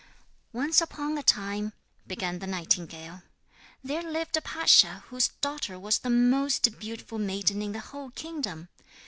'Once upon a time,' began the nightingale, 'there lived a pasha whose daughter was the most beautiful maiden in the whole kingdom.